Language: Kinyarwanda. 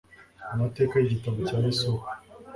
AMATEKA yigitabo cya Yosuwa